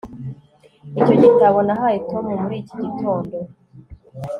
icyo gitabo nahaye tom muri iki gitondo